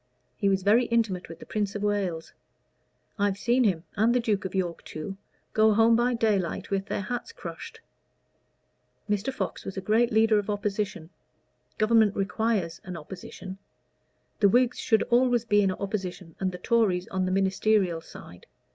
He was very intimate with the Prince of Wales. I've seen him, and the Duke of York too, go home by daylight with their hats crushed. Mr. Fox was a great leader of Opposition: Government requires an Opposition. The Whigs should always be in opposition, and the Tories on the ministerial side.